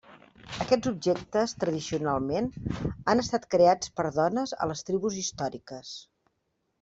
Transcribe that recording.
Aquests objectes tradicionalment han estat creats per dones a les tribus històriques.